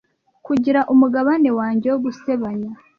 kugira umugabane wanjye wo gusebanya